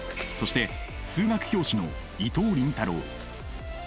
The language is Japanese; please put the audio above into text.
そして数学教師の伊藤倫太郎。